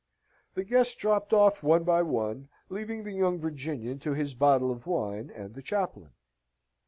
The guests dropped off one by one, leaving the young Virginian to his bottle of wine and the chaplain.